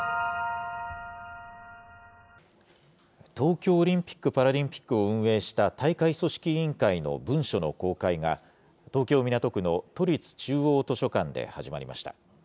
東京オリンピック・パラリンピックを運営した、大会組織委員会の文書の公開が、東京・港区の都立中央図書館で始まりました。